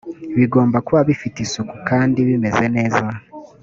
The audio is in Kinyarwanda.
bigomba kuba bifite isuku kandi bimeze neza